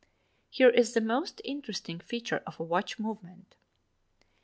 Here is the most interesting feature of a watch movement.